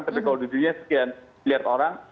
tapi kalau di dunia sekian miliar orang